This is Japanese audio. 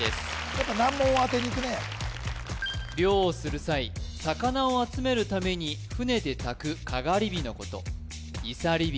やっぱ難問を当てにいくね漁をする際魚を集めるために船でたくかがり火のこといさりび